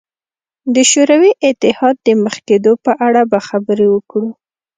د شوروي اتحاد د مخ کېدو په اړه به خبرې وکړو.